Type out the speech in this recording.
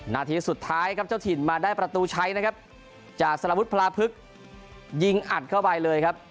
นาทีสุดท้ายครับเจ้าถิ่นมาได้ประตูใช้นะครับจากสารวุฒิพลาพึกยิงอัดเข้าไปเลยครับ